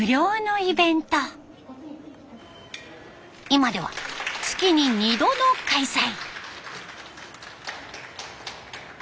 今では月に２度の開催。